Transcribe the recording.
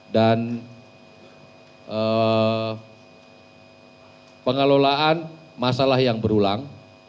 dan pengelolaan masalah yang berulang